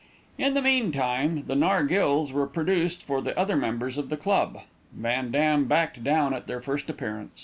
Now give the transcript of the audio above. In the mean time, the nargillês were produced for the other members of the club. Van Dam backed down at their first appearance.